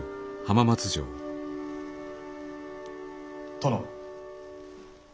・殿。